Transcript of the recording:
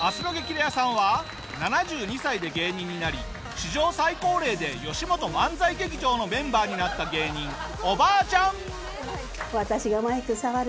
レアさんは７２歳で芸人になり史上最高齢でよしもと漫才劇場のメンバーになった芸人おばあちゃん！